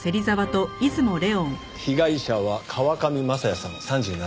被害者は河上昌也さん３７歳。